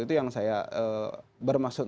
itu yang saya bermaksud